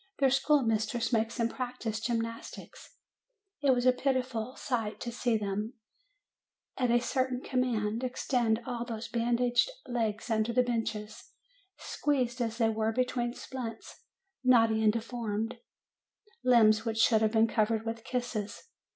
Their school mistress makes them practise gymnastics. It was a pitiful sight to see them, at a certain command, extend all those bandaged legs under the benches, squeezed as they were between splints, knotty and deformed; limbs which should have been covered with kisses!